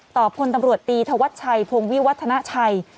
พลตำรวจตีธวัชชัยพงวิวัฒนาชัย